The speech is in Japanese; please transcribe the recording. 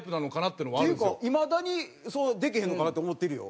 っていうかいまだにそうできへんのかなって思ってるよ。